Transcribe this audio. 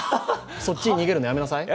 そっちに逃げるのやめなさい！